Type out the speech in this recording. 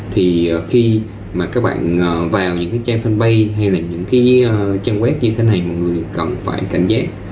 thì khi mà các bạn vào những cái trang fanpage hay là những cái trang web như thế này mọi người cần phải cảnh giác